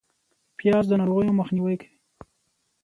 پیاز د ناروغیو مخنیوی کوي